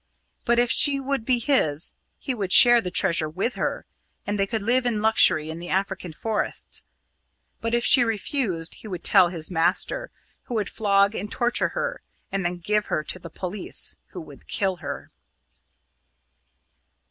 But if she would be his, he would share the treasure with her, and they could live in luxury in the African forests. But if she refused, he would tell his master, who would flog and torture her and then give her to the police, who would kill her.